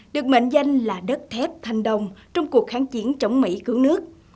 được mệnh danh là đất thép thanh đồng trong cuộc kháng chiến chống mỹ cứu nước